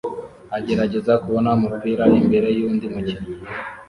agerageza kubona umupira imbere yundi mukinnyi